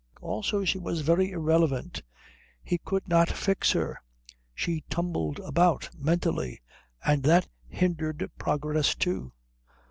Also she was very irrelevant; he could not fix her; she tumbled about mentally, and that hindered progress, too.